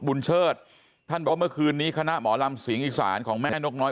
บุญเชิฎท่านเบาะเมื่อคืนนี้คณะหมอลำสิงห์อิษร์ของแม่นกน้อย